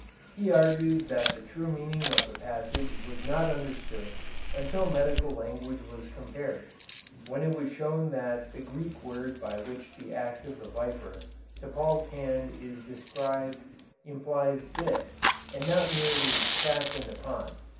He argues that the true meaning of the passage was not understood until medical language was compared, when it was shown that the Greek word by which the act of the viper to Paul's hand is described, implies "bit" and not merely "fastened upon."